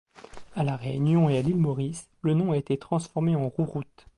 À La Réunion et à l'île Maurice, le nom a été transformé en rouroute.